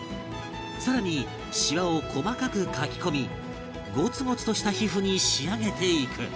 さらにシワを細かく描き込みゴツゴツとした皮膚に仕上げていく